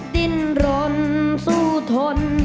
ดิ้นรนสู้ทน